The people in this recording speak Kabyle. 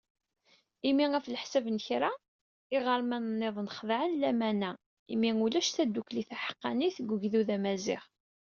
Imi ɣef leḥsab n kra, iɣermanen-nniḍen xedɛen laman-a imi ulac tadukkli taḥeqqanit deg ugdud amaziɣ.